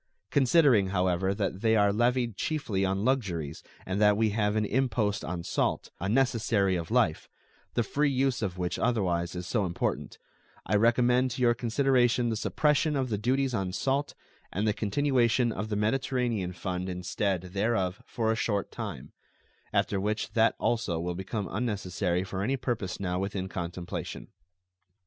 Considering, however, that they are levied chiefly on luxuries and that we have an impost on salt, a necessary of life, the free use of which otherwise is so important, I recommend to your consideration the suppression of the duties on salt and the continuation of the Mediterranean fund instead thereof for a short time, after which that also will become unnecessary for any purpose now within contemplation.